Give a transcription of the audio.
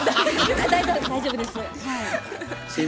大丈夫ですはい。